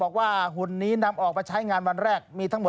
บอกว่าหุ่นนี้นำออกมาใช้งานวันแรกมีทั้งหมด๘ตัว